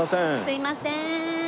すいません。